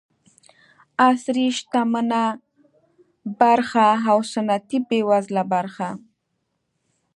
عصري شتمنه برخه او سنتي بېوزله برخه.